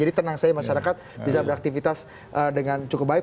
jadi tenang saya masyarakat bisa beraktifitas dengan cukup baik